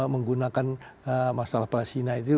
menggunakan masalah palestina itu